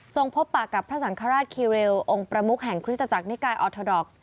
ทรงพบปะกับพระสัญคราชคริริลองค์ประมุขแห่งคริสตจักรนิกายออทโตรก